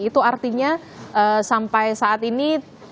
itu artinya sampai saat ini